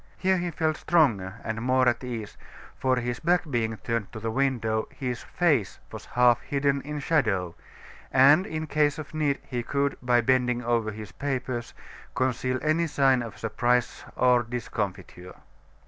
Here he felt stronger and more at ease for his back being turned to the window, his face was half hidden in shadow; and in case of need, he could, by bending over his papers, conceal any sign of surprise or discomfiture.